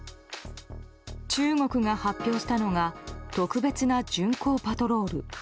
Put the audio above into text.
中国が発表したのが特別な巡航パトロール。